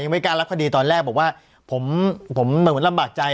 ไม่กล้ารับคดีตอนแรกบอกว่าผมเหมือนลำบากใจ